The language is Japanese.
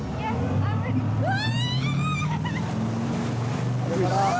うわ！